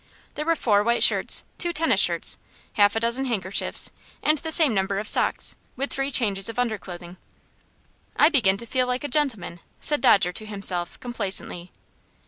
There were four white shirts, two tennis shirts, half a dozen handkerchiefs and the same number of socks, with three changes of underclothing. "I begin to feel like a gentleman," said Dodger to himself, complacently.